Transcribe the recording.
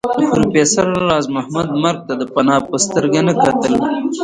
پروفېسر راز محمد مرګ ته د فناء په سترګه نه کتل